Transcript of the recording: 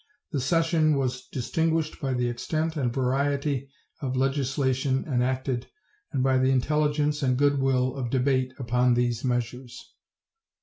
The session was distinguished by the extent and variety of legislation enacted and by the intelligence and good will of debate upon these measures.